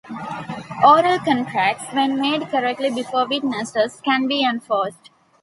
Oral contracts, when made correctly before witnesses, can be enforced.